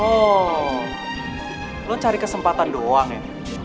oh lo cari kesempatan doang ya